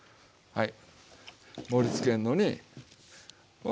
はい。